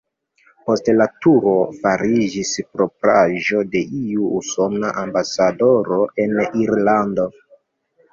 Poste la turo fariĝis propraĵo de iu usona ambasadoro en Irlando.